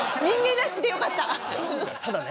人間らしくてよかった。